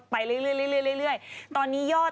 ไปเรื่อยตอนนี้ยอด